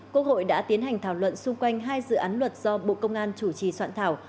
quốc hội đã tiến hành thảo luận xung quanh hai dự án luật do bộ công an chủ trì soạn thảo